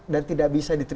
dan tidak bisa dikawal